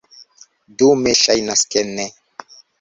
Dume ŝajnas, ke ne.